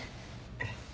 えっ？